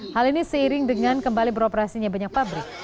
hal ini seiring dengan kembali beroperasinya banyak pabrik